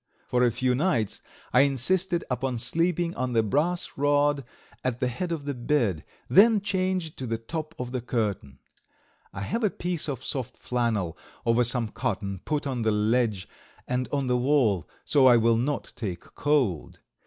For a few nights I insisted upon sleeping on the brass rod at the head of the bed, then changed to the top of the curtain. I have a piece of soft flannel over some cotton put on the ledge and on the wall, so I will not take cold.